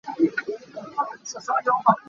Mi tampi zamual an liam cang.